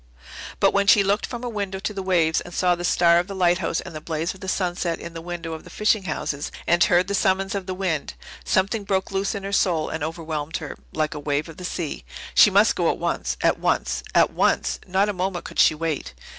But when she looked from her window to the waves and saw the star of the lighthouse and the blaze of the sunset in the window of the fishing houses and heard the summons of the wind, something broke loose in her soul and overwhelmed her, like a wave of the sea. She must go at once at once at once. Not a moment could she wait.